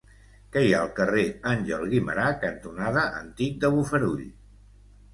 Què hi ha al carrer Àngel Guimerà cantonada Antic de Bofarull?